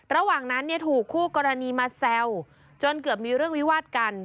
ระหว่างนั้นเนี่ยถูกคู่กรณีมาแซวจนเกือบมีเรื่องวิวาดกัน